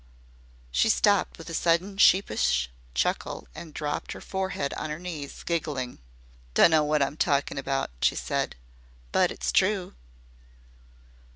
She stopped with a sudden sheepish chuckle and dropped her forehead on her knees, giggling. "Dunno wot I 'm talking about," she said, "but it's true."